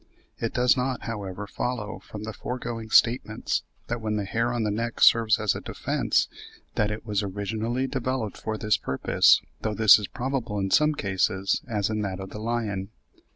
It does not, however, follow from the foregoing statements, that when the hair on the neck serves as a defence, that it was originally developed for this purpose, though this is probable in some cases, as in that of the lion.